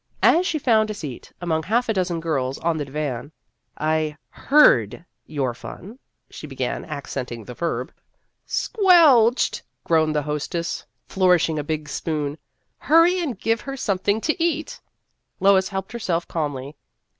As she found a seat among half a dozen girls on the divan, " I heard your fun," she began, accenting the verb. " Squelched !" groaned the hostess, 40 Vassar Studies flourishing a big spoon ;" hurry and give her something to eat." Lois helped herself calmly.